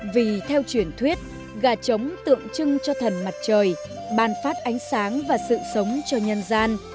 vì theo truyền thuyết gà trống tượng trưng cho thần mặt trời ban phát ánh sáng và sự sống cho nhân gian